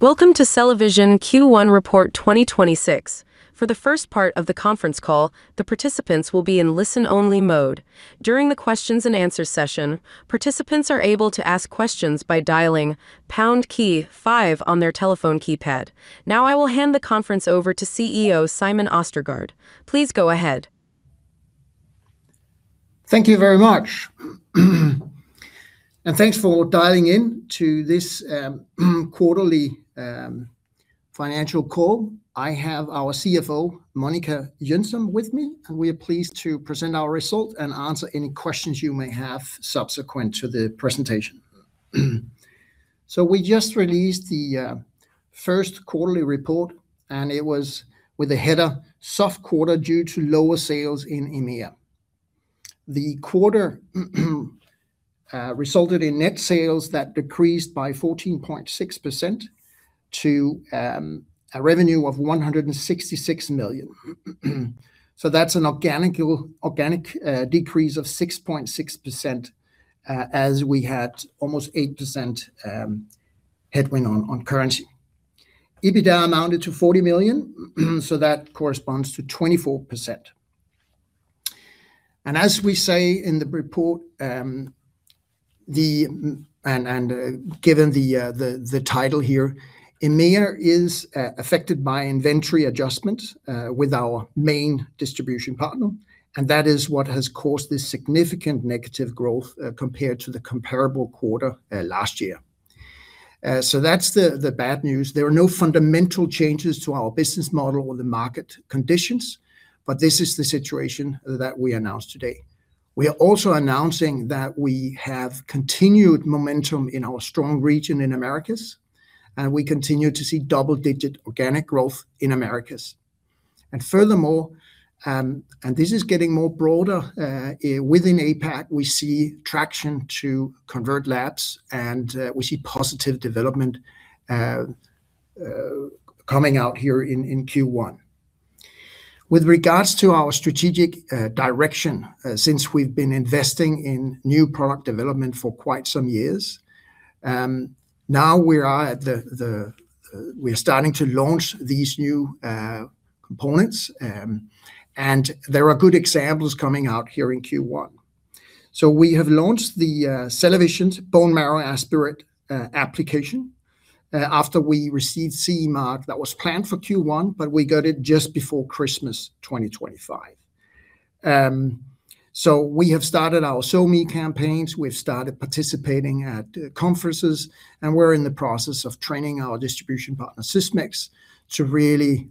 Welcome to CellaVision Q1 report 2026. For the first part of the conference call, the participants will be in listen-only mode. During the questions-and-answers session, participants are able to ask questions by dialing pound key five on their telephone keypad. Now I will hand the conference over to CEO Simon Østergaard. Please go ahead. Thank you very much. Thanks for dialing in to this quarterly financial call. I have our CFO, Monica Jönsson, with me, and we are pleased to present our results and answer any questions you may have subsequent to the presentation. We just released the first quarterly report, and it was with the header, Soft Quarter due to Lower Sales in EMEA. The quarter resulted in net sales that decreased by 14.6% to a revenue of 166 million. That's an organic decrease of 6.6% as we had almost 8% headwind on currency. EBITDA amounted to 40 million, so that corresponds to 24%. As we say in the report, and given the title here, EMEA is affected by inventory adjustments with our main distribution partner, and that is what has caused this significant negative growth compared to the comparable quarter last year. That's the bad news. There are no fundamental changes to our business model or the market conditions, but this is the situation that we announce today. We are also announcing that we have continued momentum in our strong region in Americas, and we continue to see double-digit organic growth in Americas. Furthermore, and this is getting more broader, within APAC, we see traction to convert labs and we see positive development coming out here in Q1. With regards to our strategic direction, since we've been investing in new product development for quite some years, now we are starting to launch these new components, and there are good examples coming out here in Q1. We have launched the CellaVision's Bone Marrow Aspirate Application after we received CE mark. That was planned for Q1, but we got it just before Christmas 2025. We have started our SoMe campaigns, we've started participating at conferences, and we're in the process of training our distribution partner, Sysmex, to really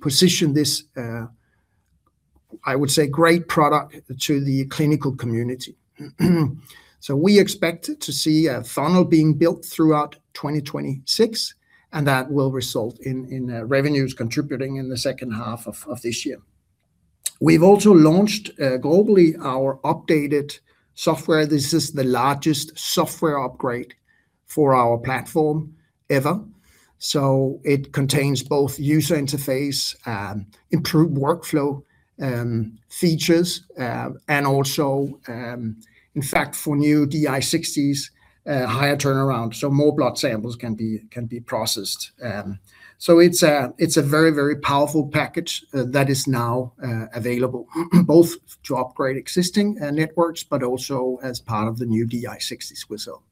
position this, I would say, great product to the clinical community. We expect to see a funnel being built throughout 2026 and that will result in revenues contributing in the second half of this year. We've also launched, globally, our updated software. This is the largest software upgrade for our platform ever. It contains both user interface, improved workflow features, and also, in fact for new DI-60s, higher turnaround, so more blood samples can be processed. It's a very, very powerful package that is now available, both to upgrade existing networks, but also as part of the new DI-60s result.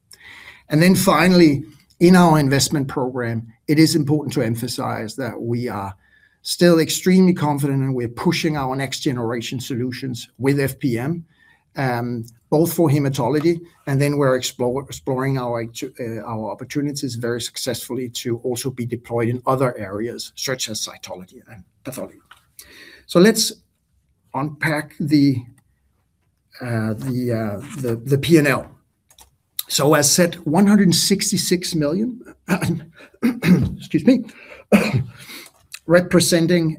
Then finally, in our investment program, it is important to emphasize that we are still extremely confident and we're pushing our next generation solutions with FPM, both for hematology, and then we're exploring our opportunities very successfully to also be deployed in other areas such as cytology and pathology. Let's unpack the P&L. As said, 166 million, excuse me, representing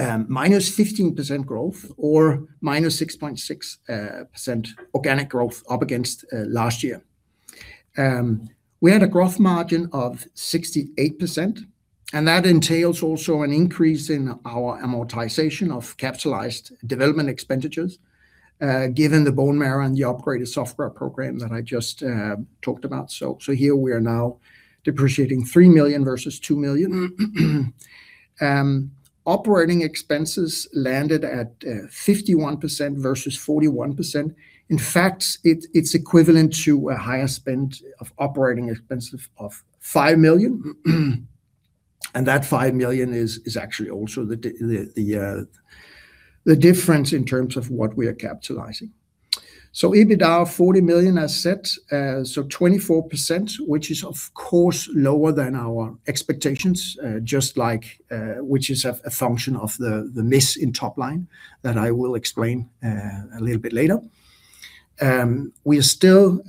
-15% growth or -6.6% organic growth up against last year. We had a growth margin of 68%, and that entails also an increase in our amortization of capitalized development expenditures, given the bone marrow and the upgraded software program that I just talked about. Here we are now depreciating 3 million versus 2 million. Operating expenses landed at 51% versus 41%. In fact, it's equivalent to a higher spend of operating expenses of 5 million, and that 5 million is actually also the difference in terms of what we are capitalizing. EBITDA of 40 million as set, so 24%, which is of course lower than our expectations, which is a function of the miss in top line that I will explain a little bit later. We are still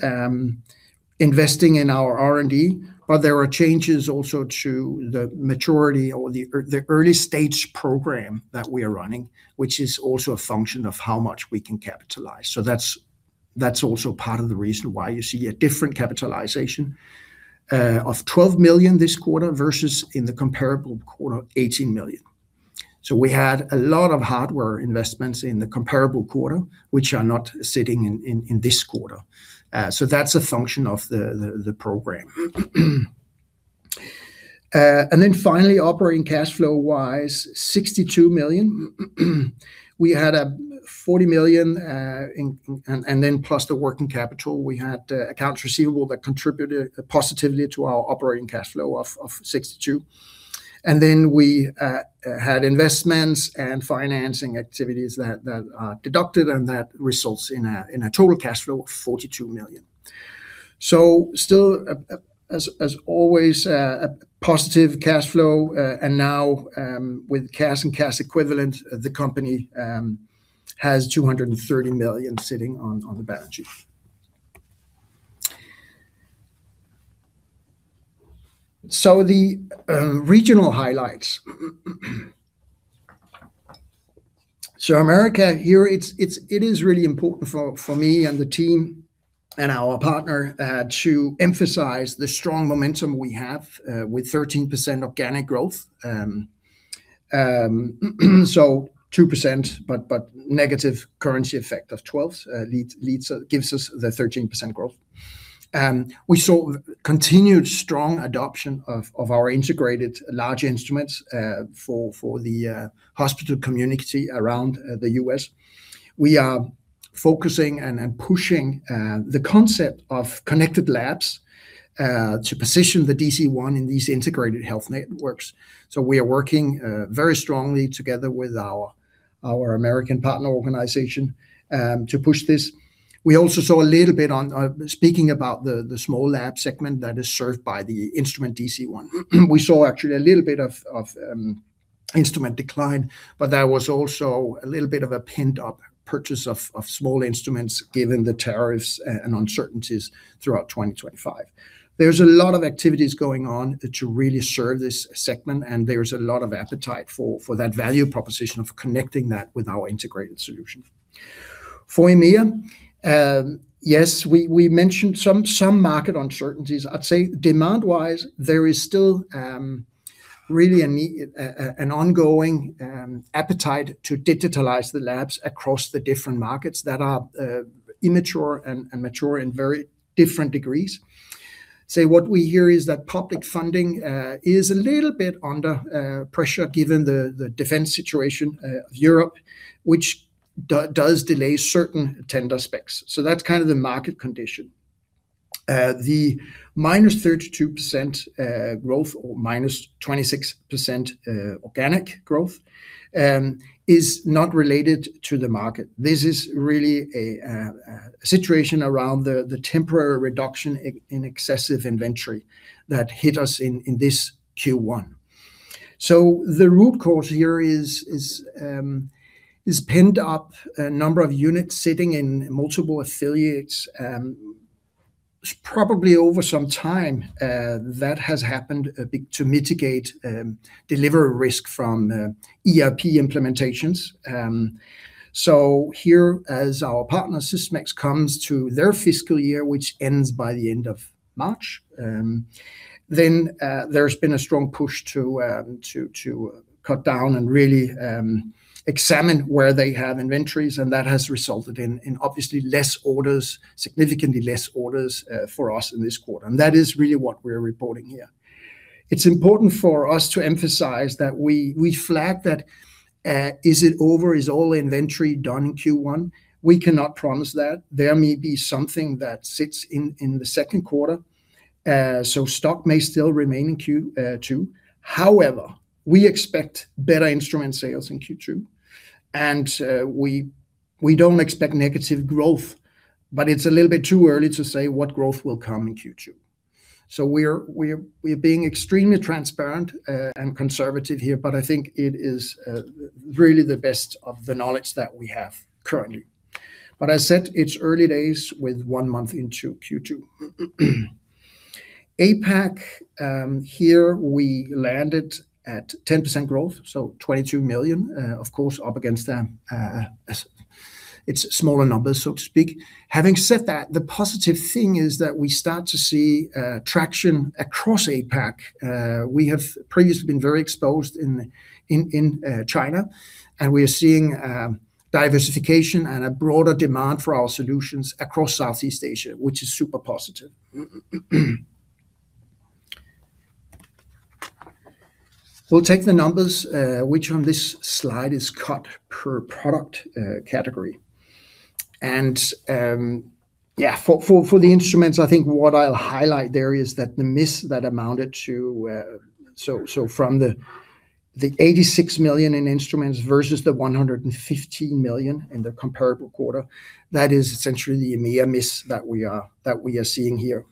investing in our R&D, but there are changes also to the maturity or the early stage program that we are running, which is also a function of how much we can capitalize. That's also part of the reason why you see a different capitalization of 12 million this quarter versus in the comparable quarter, 18 million. We had a lot of hardware investments in the comparable quarter, which are not sitting in this quarter. That's a function of the program. Finally, operating cash flow-wise, 62 million. We had 40 million, and then plus the working capital, we had accounts receivable that contributed positively to our operating cash flow of 62 million. We had investments and financing activities that are deducted, and that results in a total cash flow of 42 million. Still, as always, a positive cash flow. Now, with cash and cash equivalents, the company has 230 million sitting on the balance sheet. The regional highlights. America, here, it is really important for me and the team and our partner to emphasize the strong momentum we have with 13% organic growth. 2%, but negative currency effect of 12% gives us the 13% growth. We saw continued strong adoption of our integrated large instruments for the hospital community around the U.S. We are focusing and pushing the concept of connected labs to position the DC-1 in these integrated health networks. We are working very strongly together with our American partner organization to push this. We also saw a little bit on, speaking about the small lab segment that is served by the instrument DC-1. We saw actually a little bit of instrument decline, but there was also a little bit of a pent-up purchase of small instruments given the tariffs and uncertainties throughout 2025. There's a lot of activities going on to really serve this segment, and there's a lot of appetite for that value proposition of connecting that with our integrated solution. For EMEA, yes, we mentioned some market uncertainties. I'd say demand-wise, there is still really an ongoing appetite to digitalize the labs across the different markets that are immature and mature in very different degrees. What we hear is that public funding is a little bit under pressure given the defense situation of Europe, which does delay certain tender specs. That's kind of the market condition. The -32% growth or -26% organic growth is not related to the market. This is really a situation around the temporary reduction in excessive inventory that hit us in this Q1. The root cause here is pinned-up a number of units sitting in multiple affiliates. It's probably over some time that has happened a bit to mitigate delivery risk from ERP implementations. Here, as our partner Sysmex comes to their fiscal year, which ends by the end of March, then there's been a strong push to cut down and really examine where they have inventories, and that has resulted in obviously less orders, significantly less orders for us in this quarter. That is really what we're reporting here. It's important for us to emphasize that we flag that. Is it over? Is all inventory done in Q1? We cannot promise that. There may be something that sits in the second quarter. Stock may still remain in Q2. However, we expect better instrument sales in Q2. We don't expect negative growth, but it's a little bit too early to say what growth will come in Q2. We're being extremely transparent and conservative here, but I think it is really the best of the knowledge that we have currently. I said it's early days with one month into Q2. APAC, here we landed at 10% growth, so 22 million, of course, up against its smaller numbers, so to speak. Having said that, the positive thing is that we start to see traction across APAC. We have previously been very exposed in China, and we are seeing diversification and a broader demand for our solutions across Southeast Asia, which is super positive. We'll take the numbers, which on this slide is cut per product category. Yeah, for the instruments, I think what I'll highlight there is that the miss that amounted to 86 million in instruments versus the 115 million in the comparable quarter, that is essentially the EMEA miss that we are seeing here.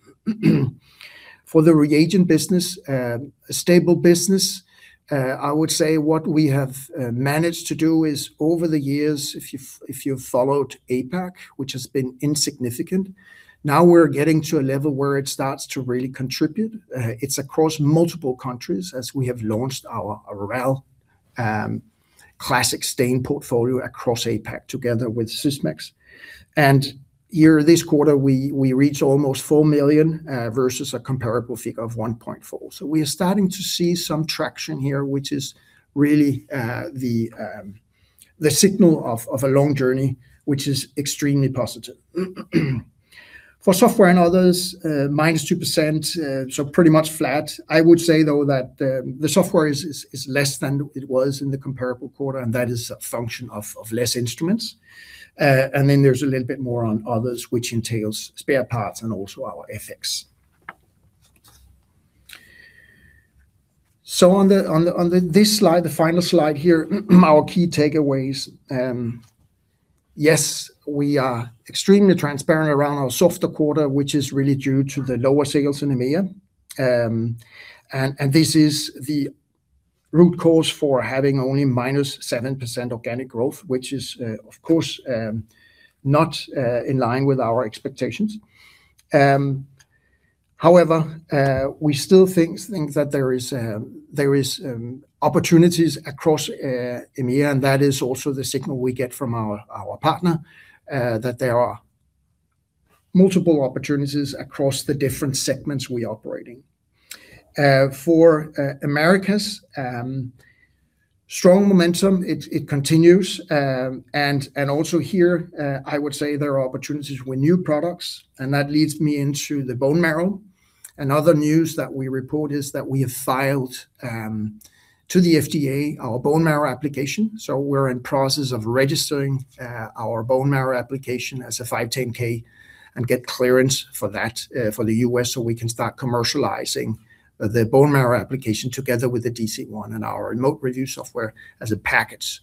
For the reagent business, a stable business, I would say what we have managed to do is over the years, if you've followed APAC, which has been insignificant, now we're getting to a level where it starts to really contribute. It's across multiple countries as we have launched our RAL Classic stain portfolio across APAC, together with Sysmex. This quarter, we reached almost 4 million versus a comparable figure of 1.4 million. We are starting to see some traction here, which is really the signal of a long journey, which is extremely positive. For software and others, -2%, so pretty much flat. I would say, though, that the software is less than it was in the comparable quarter, and that is a function of less instruments. Then there's a little bit more on others, which entails spare parts and also our FX. On this slide, the final slide here, our key takeaways. Yes, we are extremely transparent around our softer quarter, which is really due to the lower sales in EMEA. This is the root cause for having only -7% organic growth, which is, of course, not in line with our expectations. However, we still think that there is opportunities across EMEA, and that is also the signal we get from our partner, that there are multiple opportunities across the different segments we operate in. For Americas, strong momentum, it continues. Also here, I would say there are opportunities with new products, and that leads me into the bone marrow. Another news that we report is that we have filed to the FDA our bone marrow application. We're in process of registering our bone marrow application as a 510(k) and get clearance for that for the U.S. so we can start commercializing the bone marrow application together with the DC-1 and our remote review software as a package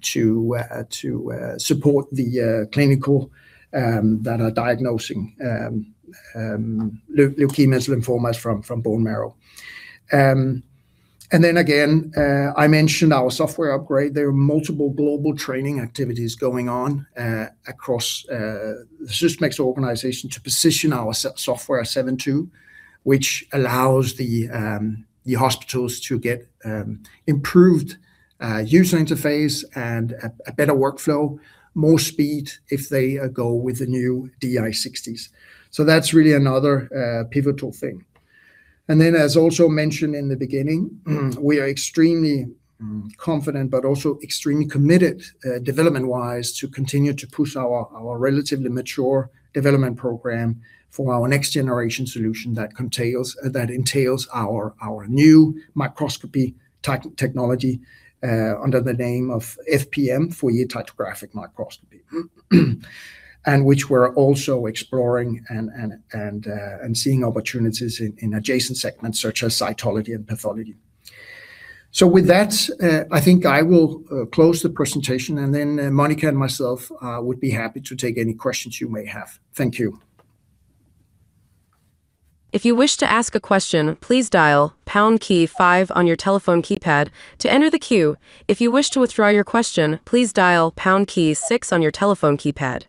to support the clinical that are diagnosing leukemias, lymphomas from bone marrow. Then again, I mentioned our software upgrade. There are multiple global training activities going on across the Sysmex organization to position our Software 7.2, which allows the hospitals to get improved user interface and a better workflow, more speed if they go with the new DI-60s. That's really another pivotal thing. As also mentioned in the beginning, we are extremely confident but also extremely committed, development-wise, to continue to push our relatively mature development program for our next generation solution that entails our new microscopy technology under the name of FPM, Fourier ptychographic microscopy, and which we're also exploring and seeing opportunities in adjacent segments such as cytology and pathology. With that, I think I will close the presentation and then Monica and myself would be happy to take any questions you may have. Thank you. If you wish to ask a question please dial pound key five on your telephone keypad to enter the queue. If you wish withdraw your question please dial pound key six on your telephone keypad.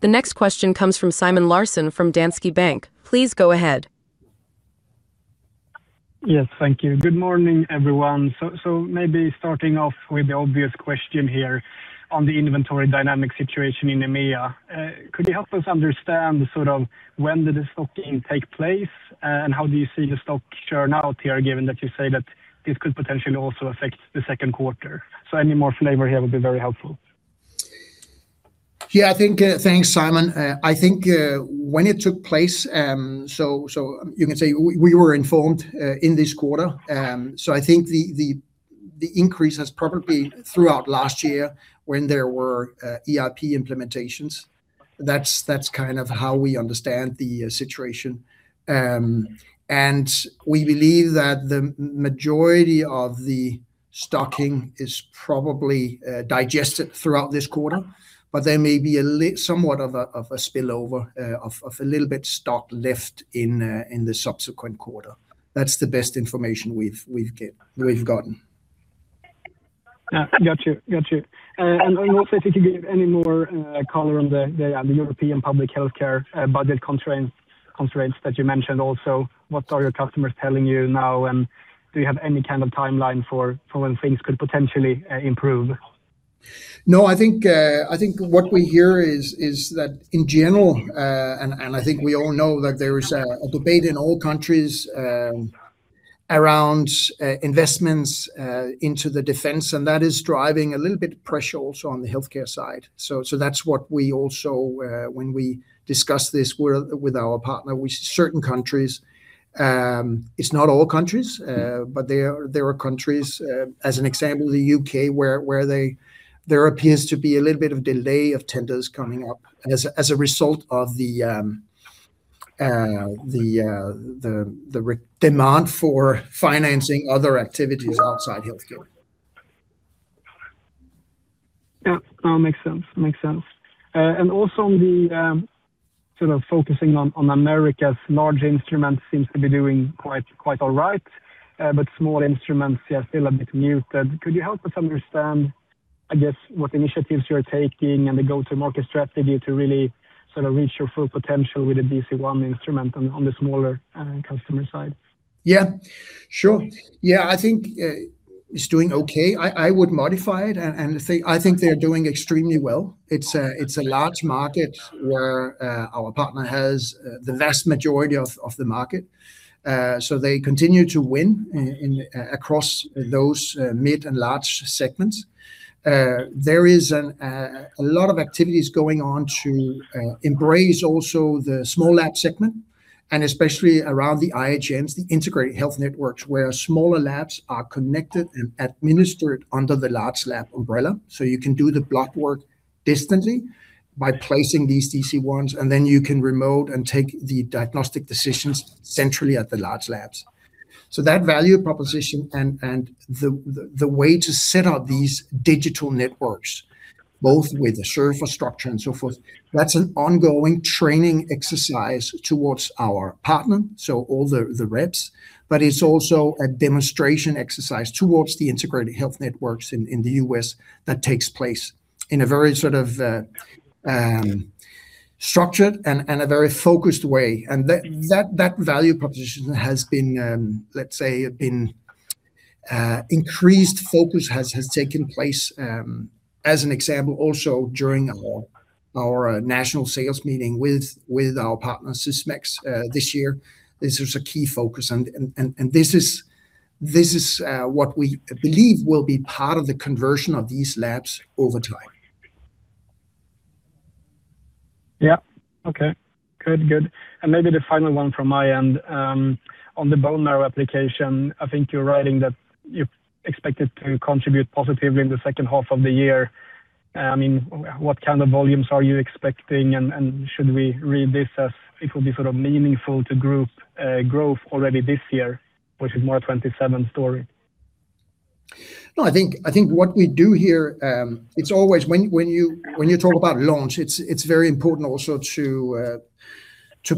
The next question comes from Simon Larsson from Danske Bank. Please go ahead. Yes. Thank you. Good morning, everyone. Maybe starting off with the obvious question here on the inventory dynamic situation in EMEA. Could you help us understand when did the stocking take place? And how do you see the stock churn out here, given that you say that this could potentially also affect the second quarter? Any more flavor here would be very helpful. Yeah. Thanks, Simon. I think when it took place, so you can say we were informed in this quarter. I think the increase has probably been throughout last year when there were ERP implementations. That's kind of how we understand the situation. We believe that the majority of the stocking is probably digested throughout this quarter, but there may be somewhat of a spillover of a little bit stock left in the subsequent quarter. That's the best information we've gotten. Got you. Also if you could give any more color on the European public healthcare budget constraints that you mentioned also. What are your customers telling you now, and do you have any kind of timeline for when things could potentially improve? No, I think what we hear is that in general, and I think we all know that there is a debate in all countries around investments into the defense, and that is driving a little bit pressure also on the healthcare side. That's what we also, when we discuss this with our partner, with certain countries. It's not all countries, but there are countries, as an example, the U.K., where there appears to be a little bit of delay of tenders coming up as a result of the demand for financing other activities outside healthcare. Yeah. No, makes sense. Also on the sort of focusing on America's large instruments seems to be doing quite all right. Small instruments, yeah, still a bit muted. Could you help us understand, I guess, what initiatives you are taking and the go-to-market strategy to really reach your full potential with the DC-1 instrument on the smaller customer side. Yeah. Sure. Yeah, I think it's doing okay. I would modify it and say I think they're doing extremely well. It's a large market where our partner has the vast majority of the market. They continue to win across those mid and large segments. There is a lot of activities going on to embrace also the small lab segment, and especially around the IHNs, the integrated health networks, where smaller labs are connected and administered under the large lab umbrella. You can do the blood work distantly by placing these DC-1s, and then you can remote and take the diagnostic decisions centrally at the large labs. That value proposition and the way to set up these digital networks, both with the server structure and so forth, that's an ongoing training exercise towards our partner, all the reps. It's also a demonstration exercise towards the integrated health networks in the U.S. that takes place in a very sort of structured and a very focused way. That value proposition has been, let's say, increased focus has taken place, as an example, also during our national sales meeting with our partner Sysmex this year. This was a key focus and this is what we believe will be part of the conversion of these labs over time. Yeah. Okay. Good. Maybe the final one from my end. On the bone marrow application, I think you're writing that you expect it to contribute positively in the second half of the year. What kind of volumes are you expecting, and should we read this as it will be meaningful to group growth already this year, or it's more 2027 story? No, I think what we do here, it's always when you talk about launch, it's very important also to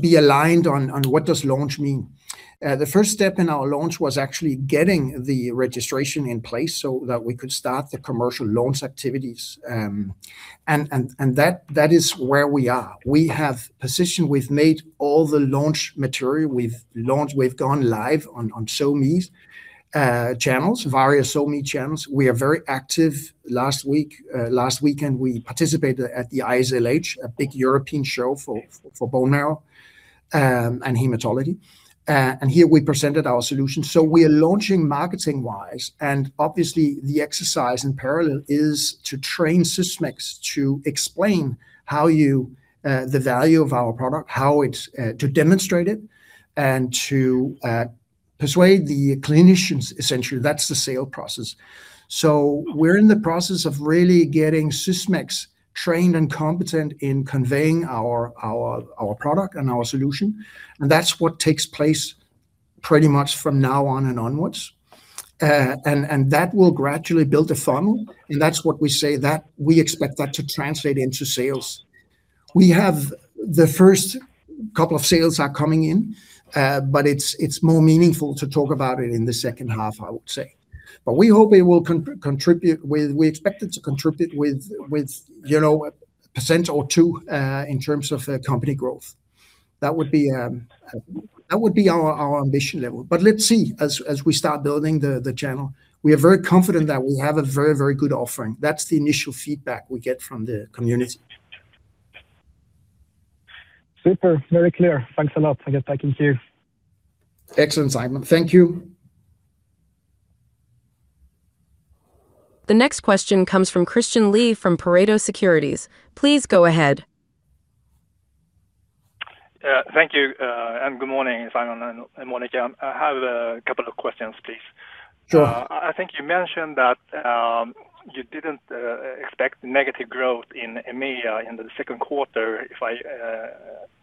be aligned on what does launch mean. The first step in our launch was actually getting the registration in place so that we could start the commercial launch activities, and that is where we are. We have positioned, we've made all the launch material, we've launched, we've gone live on so many channels, various so many channels. We are very active. Last weekend, we participated at the ISLH, a big European show for bone marrow and hematology, and here we presented our solution. We are launching marketing-wise, and obviously the exercise in parallel is to train Sysmex to explain the value of our product, how to demonstrate it, and to persuade the clinicians, essentially. That's the sale process. We're in the process of really getting Sysmex trained and competent in conveying our product and our solution, and that's what takes place pretty much from now on and onwards. That will gradually build a funnel, and that's what we say, that we expect that to translate into sales. The first couple of sales are coming in, but it's more meaningful to talk about it in the second half, I would say. We hope it will contribute. We expect it to contribute with 0% or 2% in terms of company growth. That would be our ambition level. Let's see, as we start building the channel. We are very confident that we have a very good offering. That's the initial feedback we get from the community. Super. Very clear. Thanks a lot. I guess back to you. Excellent, Simon. Thank you. The next question comes from Christian Lee, from Pareto Securities. Please go ahead. Thank you, and good morning, Simon, and Monica. I have a couple of questions, please. Sure. I think you mentioned that you didn't expect negative growth in EMEA in the second quarter, if I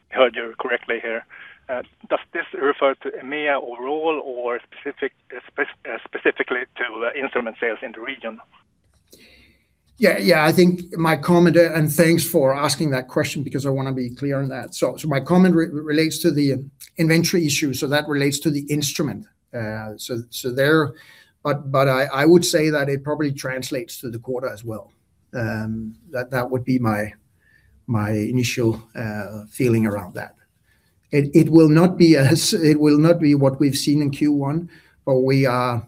heard you correctly here. Does this refer to EMEA overall or specifically to instrument sales in the region? Yeah. I think my comment. Thanks for asking that question because I want to be clear on that. My comment relates to the inventory issue, so that relates to the instrument. I would say that it probably translates to the quarter as well. That would be my initial feeling around that. It will not be what we've seen in Q1, but we are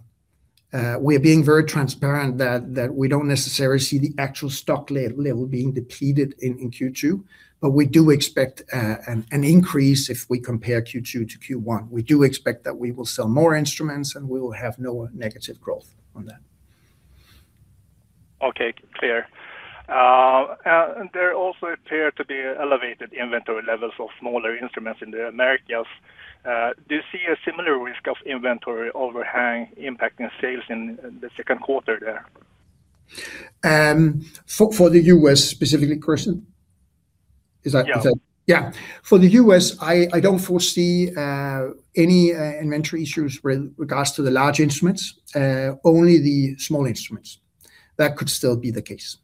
being very transparent that we don't necessarily see the actual stock level being depleted in Q2. We do expect an increase if we compare Q2 to Q1. We do expect that we will sell more instruments, and we will have no negative growth on that. Okay. Clear. There also appear to be elevated inventory levels of smaller instruments in the Americas. Do you see a similar risk of inventory overhang impacting sales in the second quarter there? For the U.S. specifically, Christian? Yeah Yeah. For the U.S., I don't foresee any inventory issues with regards to the large instruments, only the small instruments. That could still be the case.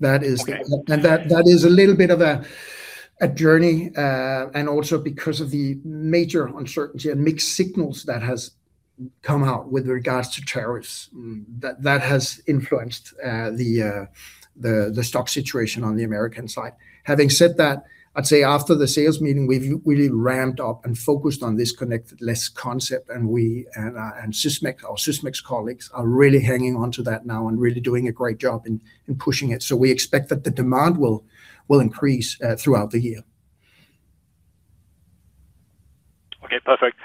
That is a little bit of a journey, and also because of the major uncertainty and mixed signals that has come out with regards to tariffs, that has influenced the stock situation on the American side. Having said that, I'd say after the sales meeting, we've really ramped up and focused on this connected labs concept, and our Sysmex colleagues are really hanging on to that now and really doing a great job in pushing it. We expect that the demand will increase throughout the year. Okay, perfect.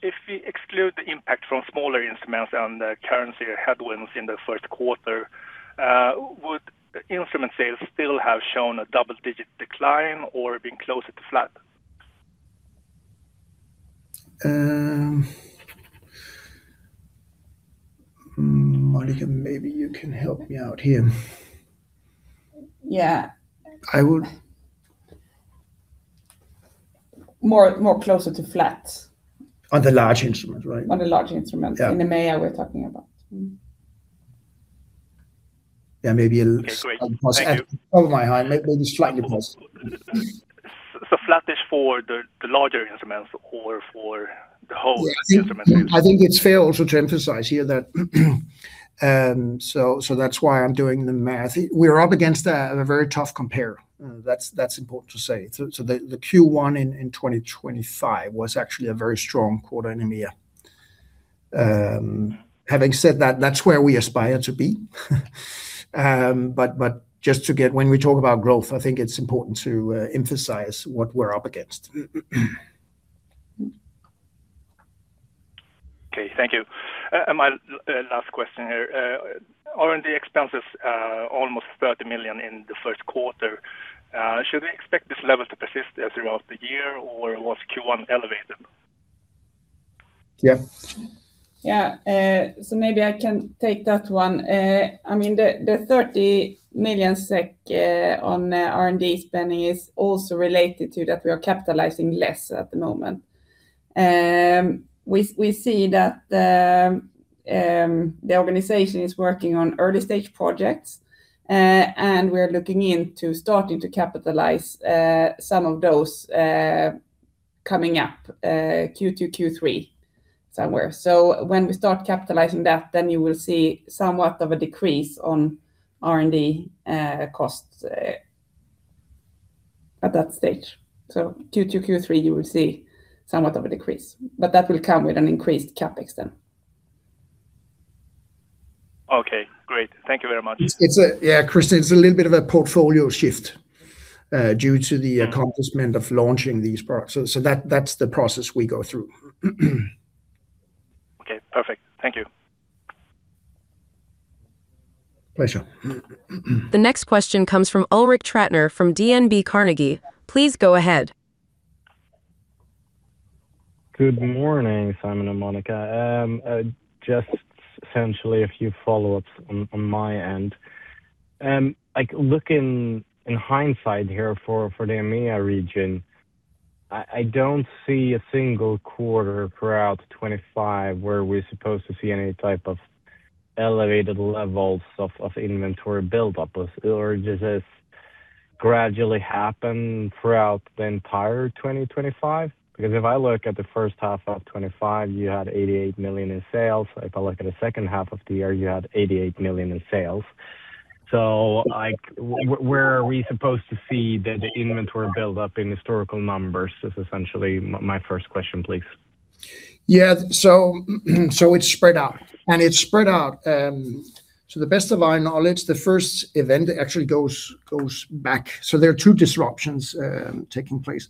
If we exclude the impact from smaller instruments and the currency headwinds in the first quarter, would instrument sales still have shown a double-digit decline or been closer to flat? Monica, maybe you can help me out here. Yeah. I would. More closer to flat. On the large instruments, right? On the large instruments. Yeah. In the EMEA, we're talking about. Yeah, maybe a little. Okay, great. Thank you. little higher, maybe slightly positive. Flattish for the larger instruments or for the whole instrument? I think it's fair also to emphasize here that so that's why I'm doing the math. We're up against a very tough compare. That's important to say. The Q1 in 2025 was actually a very strong quarter in EMEA. Having said that's where we aspire to be. Just to get when we talk about growth, I think it's important to emphasize what we're up against. Okay. Thank you. My last question here, R&D expenses are almost 30 million in the first quarter. Should we expect this level to persist throughout the year, or was Q1 elevated? Yeah. Yeah. Maybe I can take that one. The 30 million SEK on R&D spending is also related to that we are capitalizing less at the moment. We see that the organization is working on early-stage projects, and we're looking into starting to capitalize some of those coming up Q2, Q3 somewhere. When we start capitalizing that, then you will see somewhat of a decrease on R&D costs at that stage. Q2, Q3, you will see somewhat of a decrease, but that will come with an increased CapEx then. Okay, great. Thank you very much. Yeah, Christian, it's a little bit of a portfolio shift due to the accomplishment of launching these products. That's the process we go through. Okay, perfect. Thank you. Pleasure. The next question comes from Ulrik Trattner from DNB Carnegie. Please go ahead. Good morning, Simon and Monica. Just essentially a few follow-ups on my end. Looking in hindsight here for the EMEA region, I don't see a single quarter throughout 2025 where we're supposed to see any type of elevated levels of inventory build-up, or does this gradually happen throughout the entire 2025? Because if I look at the first half of 2025, you had 88 million in sales. If I look at the second half of the year, you had 88 million in sales. Where are we supposed to see the inventory build-up in historical numbers, is essentially my first question, please. Yeah. It's spread out. To the best of our knowledge, the first event actually goes back. There are two disruptions taking place.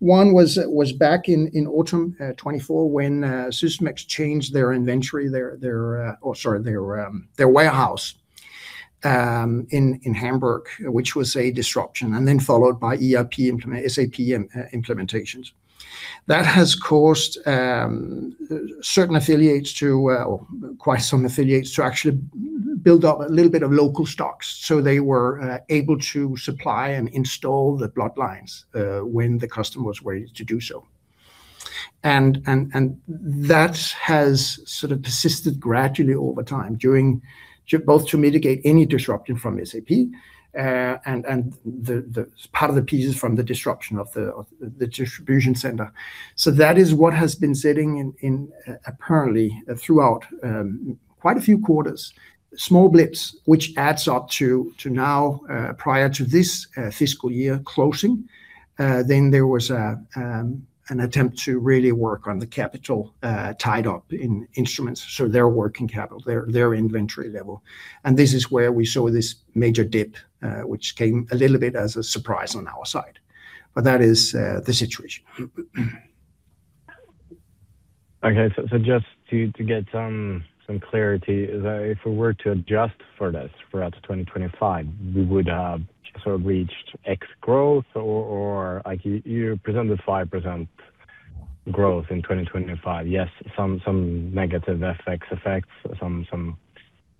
One was back in autumn 2024 when Sysmex changed their inventory, or sorry, their warehouse in Hamburg, which was a disruption, and then followed by SAP implementations. That has caused certain affiliates, or quite some affiliates, to actually build up a little bit of local stocks so they were able to supply and install the blood lines when the customer was ready to do so. That has sort of persisted gradually over time, both to mitigate any disruption from SAP and part of the pieces from the disruption of the distribution center. That is what has been sitting inventory apparently throughout quite a few quarters, small blips, which adds up to now prior to this fiscal year closing. There was an attempt to really work on the capital tied up in instruments, so their working capital, their inventory level. This is where we saw this major dip, which came a little bit as a surprise on our side. That is the situation. Okay. Just to get some clarity, if we were to adjust for this throughout 2025, we would have sort of reached X growth or you presented 5% growth in 2025. Yes, some negative effects, some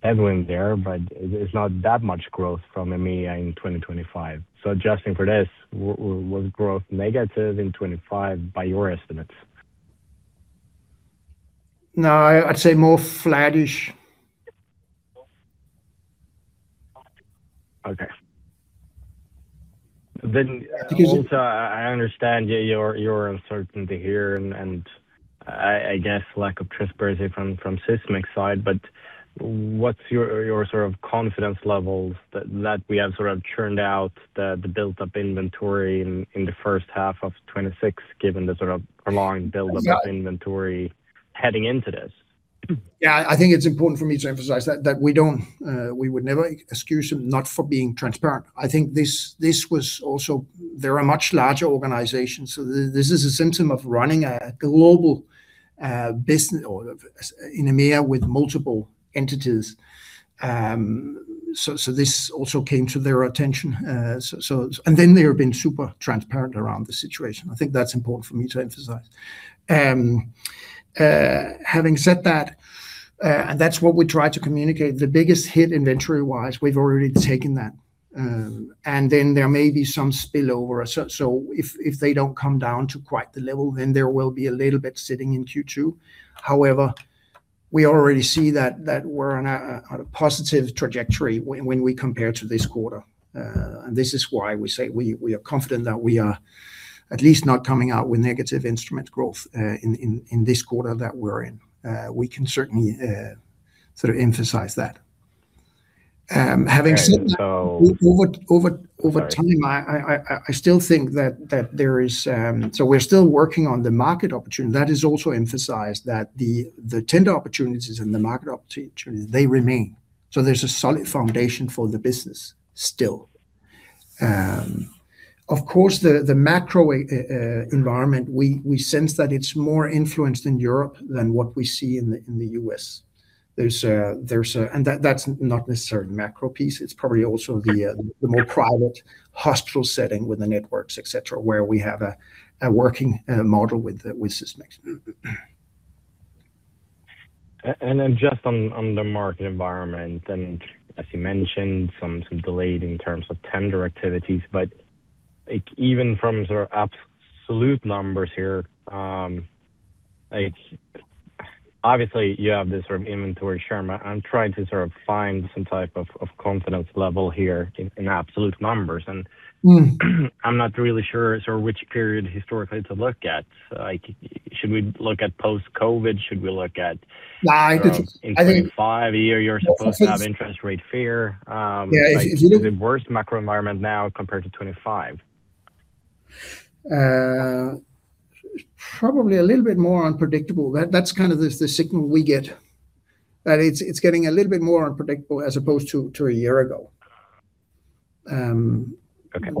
headwind there, but it's not that much growth from EMEA in 2025. Adjusting for this, was growth negative in 2025 by your estimates? No, I'd say more flattish. Okay. Excuse me. I understand, yeah, the uncertainty here and I guess lack of transparency from Sysmex side, but what's your sort of confidence level that we have sort of churned out the built-up inventory in the first half of 2026, given the sort of prolonged buildup of inventory heading into this? Yeah, I think it's important for me to emphasize that we would never excuse them not for being transparent. I think this was also. There are much larger organizations. This is a symptom of running a global business in EMEA with multiple entities. This also came to their attention. They have been super transparent around the situation. I think that's important for me to emphasize. Having said that, and that's what we try to communicate, the biggest hit inventory-wise, we've already taken that. There may be some spillover. If they don't come down to quite the level, then there will be a little bit sitting in Q2. However, we already see that we're on a positive trajectory when we compare to this quarter. This is why we say we are confident that we are at least not coming out with negative instrument growth in this quarter that we're in. We can certainly sort of emphasize that. Having said that And so- over time We're still working on the market opportunity. That is also emphasized that the tender opportunities and the market opportunities, they remain. There's a solid foundation for the business still. Of course, the macro environment, we sense that it's more influenced in Europe than what we see in the U.S. That's not necessarily macro piece, it's probably also the more private hospital setting with the networks, et cetera, where we have a working model with Sysmex. Just on the market environment, and as you mentioned, some delays in terms of tender activities. Even from sort of absolute numbers here, obviously, you have this sort of inventory share. I'm trying to sort of find some type of confidence level here in absolute numbers, and I'm not really sure sort of which period historically to look at. Should we look at post-COVID? Should we look at No. I think. in 2025, a year you're supposed to have interest rate fear. Yeah. It's a little. Is it worse macro environment now compared to 2025? Probably a little bit more unpredictable. That's kind of the signal we get, that it's getting a little bit more unpredictable as opposed to a year ago. Okay.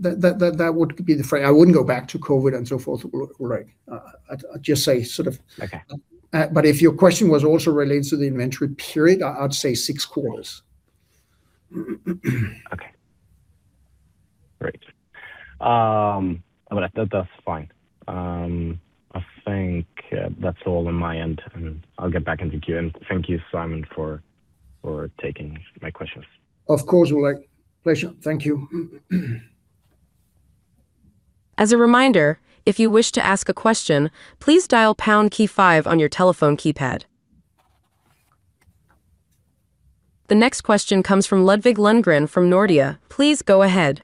That would be the frame. I wouldn't go back to COVID and so forth, Ulrik. I'd just say sort of. Okay If your question was also related to the inventory period, I'd say six quarters. Okay. Great. That's fine. I think that's all on my end, and I'll get back into queue. Thank you, Simon, for taking my questions. Of course, Ulrik. Pleasure. Thank you. As a reminder, if you wish to ask a question, please dial pound key five on your telephone keypad. The next question comes from Ludvig Lundgren from Nordea. Please go ahead.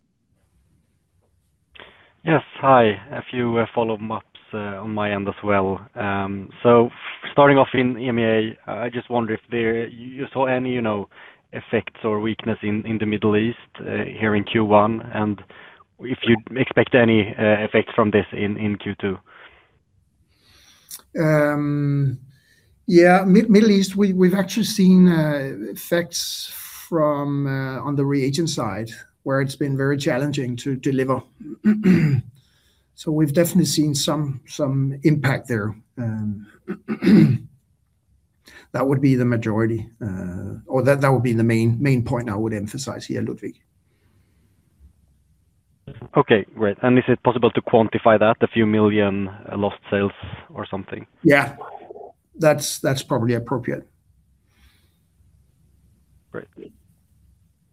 Yes. Hi. A few follow-ups on my end as well. Starting off in EMEA, I just wonder if you saw any effects or weakness in the Middle East here in Q1, and if you'd expect any effects from this in Q2? Yeah. Middle East, we've actually seen effects on the reagent side, where it's been very challenging to deliver. We've definitely seen some impact there. That would be the majority, or that would be the main point I would emphasize here, Ludvig. Okay, great. Is it possible to quantify that, a few million lost sales or something? Yeah. That's probably appropriate.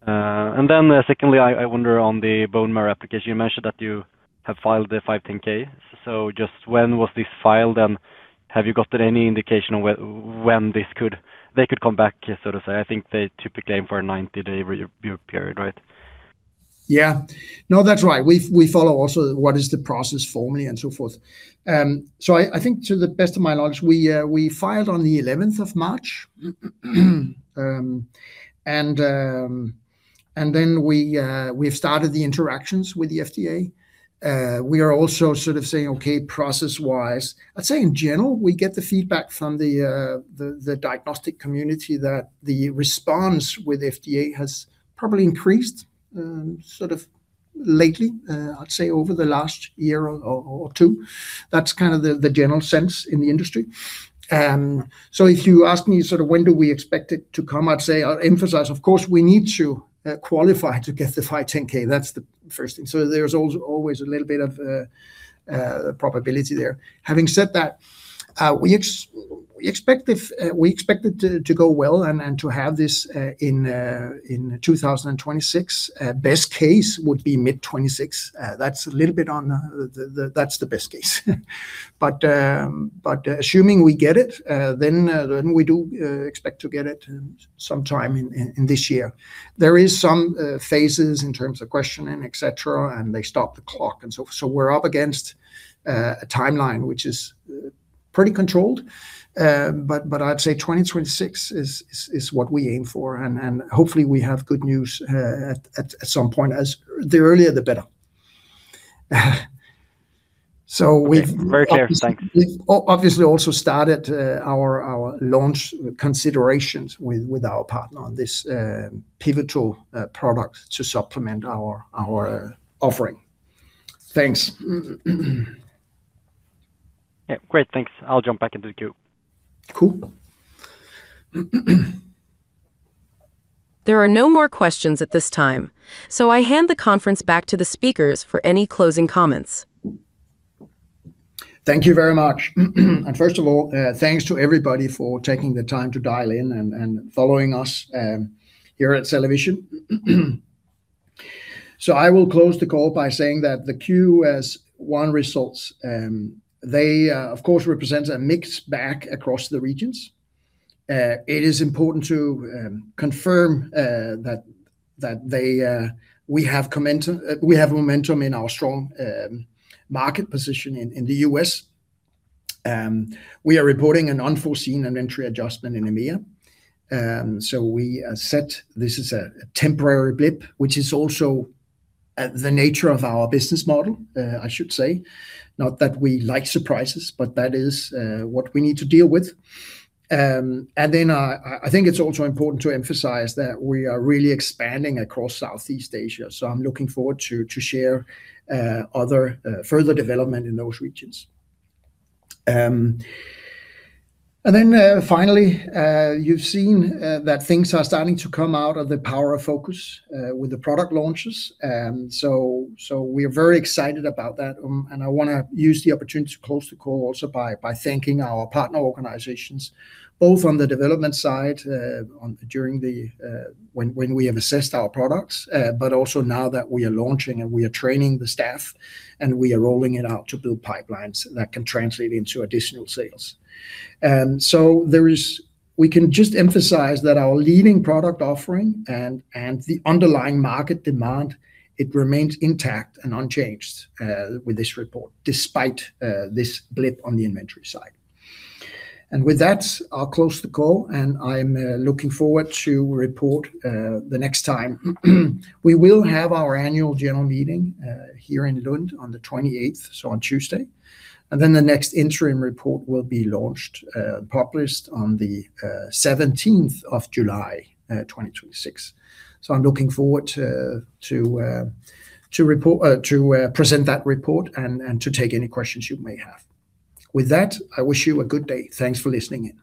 Great. Secondly, I wonder on the bone marrow application, you mentioned that you have filed the 510(k). So just when was this filed, and have you gotten any indication of when they could come back, so to say? I think they typically aim for a 90-day review period, right? Yeah. No, that's right. We follow also what is the process for me and so forth. I think to the best of my knowledge, we filed on the 11th of March. Then we've started the interactions with the FDA. We are also sort of saying, okay, process-wise, I'd say in general, we get the feedback from the diagnostic community that the response with FDA has probably increased sort of lately. I'd say over the last year or two. That's kind of the general sense in the industry. If you ask me sort of when do we expect it to come, I'd say, I'll emphasize, of course, we need to qualify to get the 510(k). That's the first thing. There's always a little bit of probability there. Having said that, we expect it to go well and to have this in 2026. Best case would be mid 2026. That's the best case. Assuming we get it, then we do expect to get it sometime in this year. There is some phases in terms of questioning, et cetera, and they stop the clock and so forth, so we're up against a timeline which is pretty controlled. I'd say 2026 is what we aim for, and hopefully we have good news at some point, as the earlier, the better. Okay. Very clear. Thanks. We've obviously also started our launch considerations with our partner on this pivotal product to supplement our offering. Thanks. Yeah. Great. Thanks. I'll jump back into the queue. Cool. There are no more questions at this time, so I hand the conference back to the speakers for any closing comments. Thank you very much. First of all, thanks to everybody for taking the time to dial in and following us here at CellaVision. I will close the call by saying that the Q1 results, they, of course, represent a mixed bag across the regions. It is important to confirm that we have momentum in our strong market position in the U.S. We are reporting an unforeseen inventory adjustment in EMEA. We said this is a temporary blip, which is also the nature of our business model, I should say. Not that we like surprises, but that is what we need to deal with. I think it's also important to emphasize that we are really expanding across Southeast Asia, so I'm looking forward to share other further development in those regions. Then finally, you've seen that things are starting to come out of the power of focus with the product launches. We're very excited about that, and I want to use the opportunity to close the call also by thanking our partner organizations, both on the development side when we have assessed our products, but also now that we are launching and we are training the staff and we are rolling it out to build pipelines that can translate into additional sales. We can just emphasize that our leading product offering and the underlying market demand, it remains intact and unchanged with this report, despite this blip on the inventory side. With that, I'll close the call and I'm looking forward to report the next time. We will have our Annual General Meeting here in Lund on the 28th, so on Tuesday. The next interim report will be launched, published on the 17th of July, 2026. I'm looking forward to present that report and to take any questions you may have. With that, I wish you a good day. Thanks for listening in.